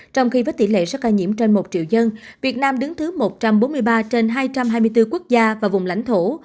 trong khi với tỷ lệ số ca nhiễm trên một triệu dân việt nam đứng thứ một trăm bốn mươi ba trên hai trăm hai mươi bốn quốc gia và vùng lãnh thổ